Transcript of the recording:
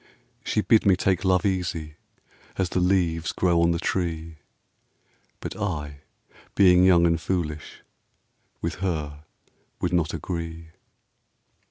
She bid me take love easy, as the leaves grow on the tree; But I, being young and foolish, with her would not agree.